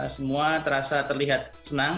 semua terasa terlihat senang